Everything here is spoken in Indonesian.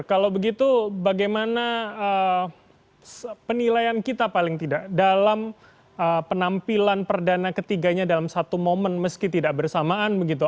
kalau begitu bagaimana penilaian kita paling tidak dalam penampilan perdana ketiganya dalam satu momen meski tidak bersamaan begitu